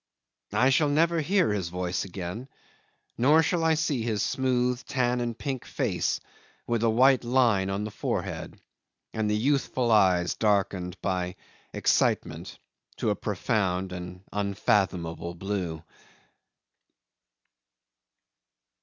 I shall never hear his voice again, nor shall I see his smooth tan and pink face with a white line on the forehead, and the youthful eyes darkened by excitement to a profound, unfathomable blue.